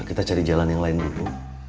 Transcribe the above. kita cari jalan yang lain dulu